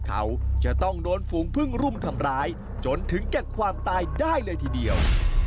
เขาจะต้องโดนฝูงพึ่งรุมทำร้ายจนถึงแก่ความตายได้เลยทีเดียว